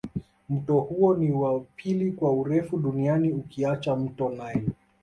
Mto huo ni wa pili kwa urefu duniani ukiacha mto nile